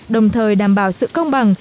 đồng thời đảm bảo sự công bằng